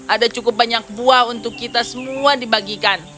ada cukup banyak buah untuk kita semua dibagikan